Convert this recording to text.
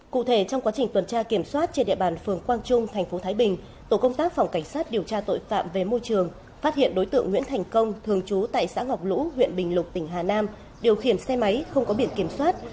cụ thể trong quá trình tuần tra kiểm soát trên địa bàn phường quang trung thành phố thái bình tổ công tác phòng cảnh sát điều tra tội phạm về môi trường phát hiện đối tượng nguyễn thành công thường trú tại xã ngọc lũ huyện bình lục tỉnh hà nam điều khiển xe máy không có biển kiểm soát